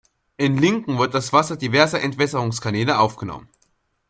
In Lincoln wird das Wasser diverser Entwässerungskanäle aufgenommen.